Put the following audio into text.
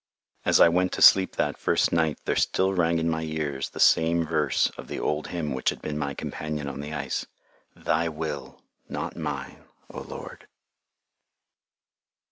As I went to sleep that first night there still rang in my ears the same verse of the old hymn which had been my companion on the ice, "Thy will, not mine, O Lord."